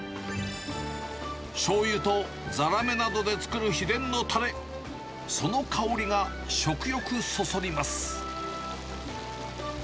しょうゆとざらめなどで作る秘伝のたれ、その香りが食欲そそります。